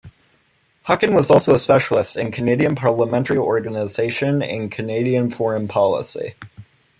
Hockin was also a specialist in Canadian parliamentary organization and Canadian foreign policy.